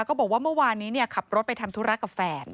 ก็บอกว่าเมื่อวานนี้ขับรถไปทำธุระกับแฟน